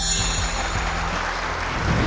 ถ้าตอบถูก๓ข้อรับ๑๐๐๐๐๐๐บาท